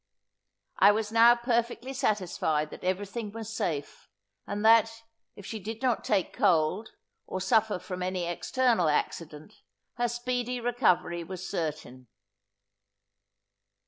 I was now perfectly satisfied that every thing was safe, and that, if she did not take cold, or suffer from any external accident, her speedy recovery was certain.